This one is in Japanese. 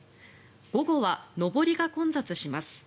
午後は上りが混雑します。